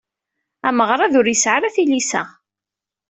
Ameɣrad ur yesɛi ara tilisa.